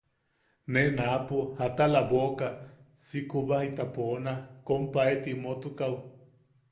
Nee naapo atala boʼoka si kubajita poona kompae Timotukaʼu.